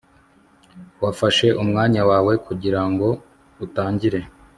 wafashe umwanya wawe kugirango utangire